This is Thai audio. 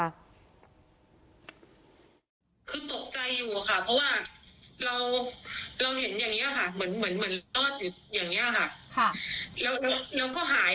คือตกใจอยู่ค่ะเพราะว่าเราเห็นอย่างนี้ค่ะเหมือนรอดอยู่อย่างนี้ค่ะ